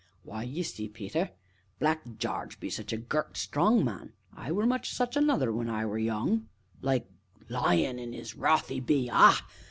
"Why, ye see, Peter, Black Jarge be such a gert, strong man (I were much such another when I were young) like a lion, in 'is wrath, 'e be ah!